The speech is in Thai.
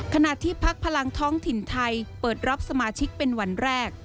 ขณะที่พักพลังท้องถิ่นไทยเปิดรับสมาชิกเป็นวันแรก